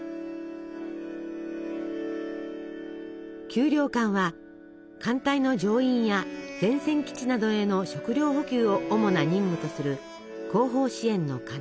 給糧艦は艦隊の乗員や前線基地などへの食糧補給を主な任務とする後方支援の要。